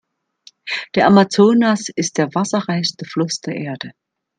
Der Amazonas ist der Wasserreichste Fluss der Erde.